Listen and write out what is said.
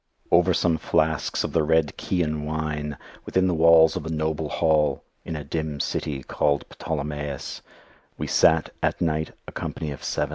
Over some flasks of the red Chian wine, within the walls of a noble hall, in a dim city called Ptolemais, we sat, at night, a company of seven.